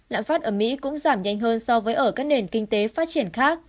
lạm phát ở mỹ cũng giảm nhanh hơn so với ở các nền kinh tế phát triển khác